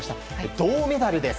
銅メダルです。